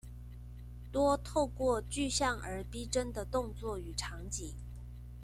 多透過具象而逼真的動作與場景